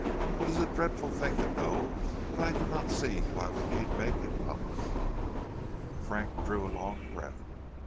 It is a dreadful thing to know, but I do not see why we need make it public." Frank drew a long breath.